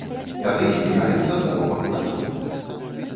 Тады зніжаецца заробак працоўных.